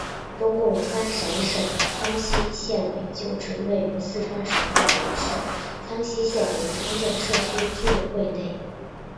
中共川陕省苍溪县委旧址位于四川省广元市苍溪县文昌镇社区居委会内。